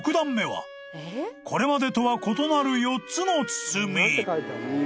［これまでとは異なる４つの包み］